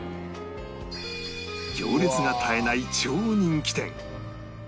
行列が絶えない超人気店